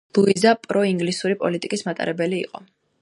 ლუიზა პროინგლისური პოლიტიკის მატარებელი იყო.